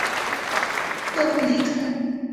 勒夫雷克。